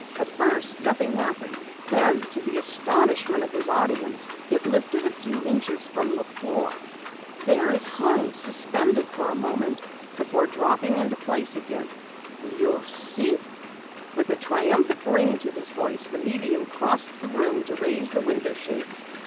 At first nothing happened, then to the astonishment of his audience, it lifted a few inches from the floor. There it hung suspended a moment before dropping into place again. "You see?" With a triumphant ring to his voice, the medium crossed the room to raise the window shades.